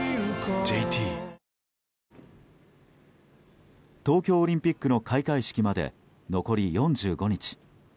ＪＴ東京オリンピックの開会式まで残り４５日。